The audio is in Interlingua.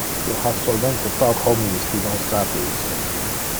Il ha solmente pauc homines qui non sape isto.